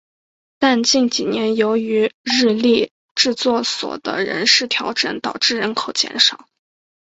但近几年由于日立制作所的人事调整导致人口减少。